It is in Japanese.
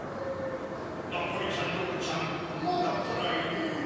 ナポリタンロールちゃんまだこないねぇ。